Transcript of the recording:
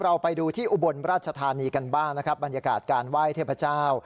เราไปดูที่อุบลราชธานีกันบ้างนะครับบรรยากาศการไหว้เทพเจ้า